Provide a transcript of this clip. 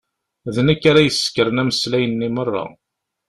D nekk ara yessekren ameslay-nni merra.